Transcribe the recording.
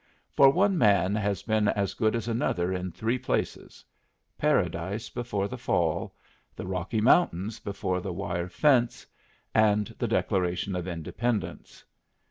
For one man has been as good as another in three places Paradise before the Fall; the Rocky Mountains before the wire fence; and the Declaration of Independence.